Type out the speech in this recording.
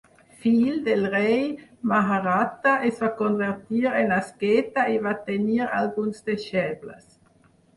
Fill del rei Maharatha, es va convertir en asceta i va tenir alguns deixebles.